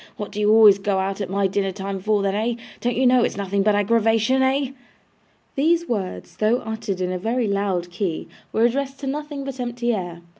What do you always go out at my dinner time for then eh? Don't you know it's nothing but aggravation eh?' These words, though uttered in a very loud key, were addressed to nothing but empty air.